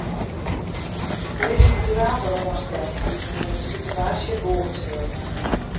Der is in kurator oansteld dy't him oer de sitewaasje bûge sil.